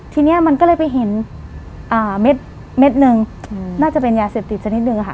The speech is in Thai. ทีนี้มันก็เลยไปเห็นเม็ดหนึ่งน่าจะเป็นยาเสพติดสักนิดนึงค่ะ